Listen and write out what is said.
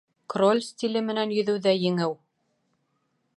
Кроль стиле менән йөҙөүҙә еңеү